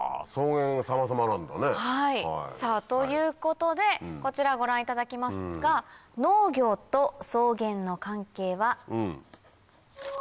草原さまさまなんだね。ということでこちらご覧いただきますが農業と草原の関係は。